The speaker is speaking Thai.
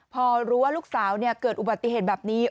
พอรู้ว่าลูกสาวเกิดอุบัติเหตุแบบนี้